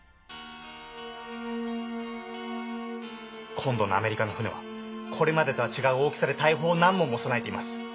今度のアメリカの船はこれまでとは違う大きさで大砲を何門も備えています。